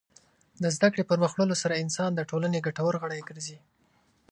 د زدهکړې پرمخ وړلو سره انسان د ټولنې ګټور غړی ګرځي.